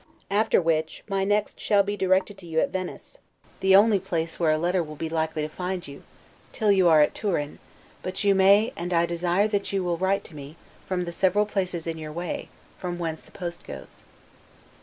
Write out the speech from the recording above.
After which, my next shall be directed to you at Venice, the only place where a letter will be likely to find you, till you are at Turin; but you may, and I desire that you will write to me, from the several places in your way, from whence the post goes.